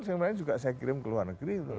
saya kirim ke luar negeri